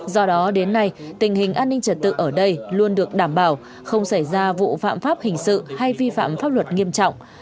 do đó đến nay tình hình an ninh trật tự ở đây luôn được đảm bảo không xảy ra vụ phạm pháp hình sự hay vi phạm pháp luật nghiêm trọng